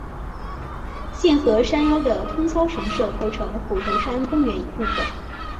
现和山腰的通霄神社构成虎头山公园一部分。